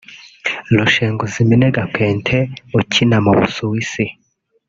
Rushenguziminega Quintin ukina mu Busuwisi